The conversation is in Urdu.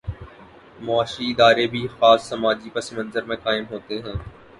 معاشی ادارے بھی خاص سماجی پس منظر میں قائم ہوتے ہیں۔